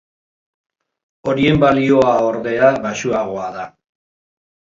Horien balioa, ordea, baxuagoa da.